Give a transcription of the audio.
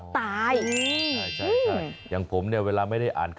ต้มหอยไป